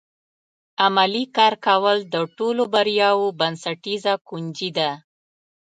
عملي کار کول د ټولو بریاوو بنسټیزه کنجي ده.